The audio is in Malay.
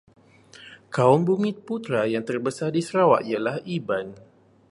Kaum Bumiputera yang terbesar di Sarawak ialah Iban.